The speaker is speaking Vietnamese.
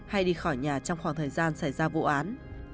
hay đi khỏi nhà trong khoảng thời gian xảy ra vụ án